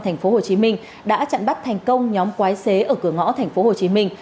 thành phố hồ chí minh đã chặn bắt thành công nhóm quái xế ở cửa ngõ thành phố hồ chí minh